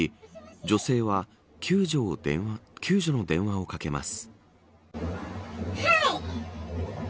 女性は救助の電話をかけます。